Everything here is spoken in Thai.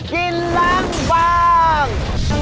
กินล้างบาง